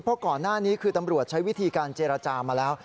เพราะก่อนหน้านี้คือตำรวจใช้วิธีการเจรจามาแล้ว